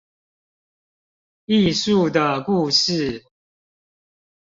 藝術的故事